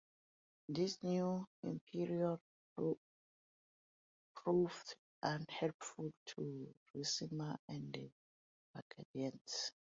This new emperor proved unhelpful to Ricimer and the Burgundians.